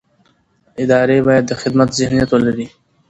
ادارې باید د خدمت ذهنیت ولري